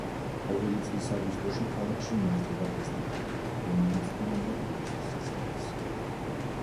ყოველი წლის აგვისტოში, ქალაქში იმართება ფესტივალი, რომელიც უამრავ ტურისტს იზიდავს.